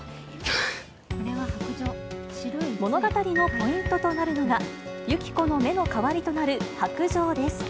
物語のポイントとなるのが、ユキコの目の代わりとなる白杖です。